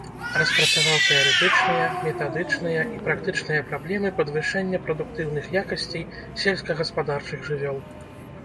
Распрацаваў тэарэтычныя, метадычныя і практычныя праблемы падвышэння прадуктыўных якасцей сельскагаспадарчых жывёл.